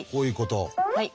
はい。